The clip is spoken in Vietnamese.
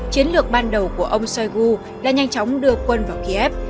chiến lược ban đầu của ông shoigu là nhanh chóng đưa quân vào kiev